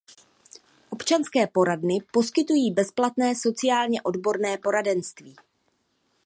Občanské poradny poskytují bezplatné sociálně odborné poradenství.